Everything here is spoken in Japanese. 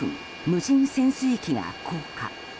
無人潜水機が降下。